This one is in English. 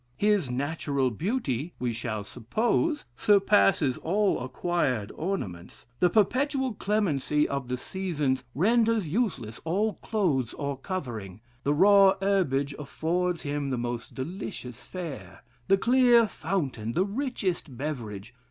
His natural beauty, we shall suppose, surpasses all acquired ornaments; the perpetual clemency of the seasons renders useless all clothes or covering: the raw herbage affords him the most delicious fare; the clear fountain, the richest beverage.